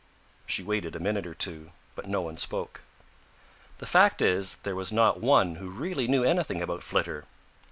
She waited a minute or two, but no one spoke. The fact is there was not one who really knew anything about Flitter.